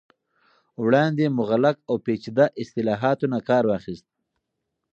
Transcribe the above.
وړاندې مغلق او پیچیده اصطلاحاتو نه کار واخست